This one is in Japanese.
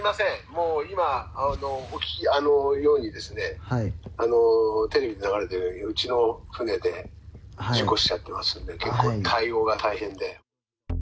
もう今、お聞きのようにですね、テレビで流れてるように、うちの船で、事故しちゃってますんで、結構対応が大変で。